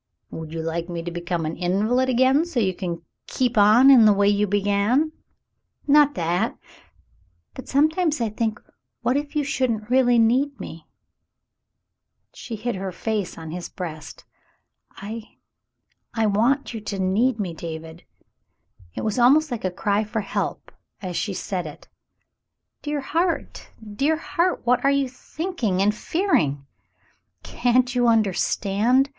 "Would you like me to become an invalid again so you could keep on in the way you began ?" "Not that — but sometimes I think what if you shouldn't really need me !" She hid her face on his breast. "I — I want you to need me — David!" It was almost like a cry for help, as she said it. "Dear heart, dear heart ! What are you thinking and fearing ? Can't you understand